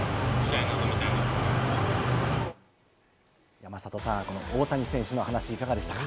山里さん、大谷選手の話いかがでしたか？